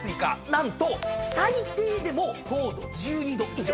何と最低でも糖度１２度以上。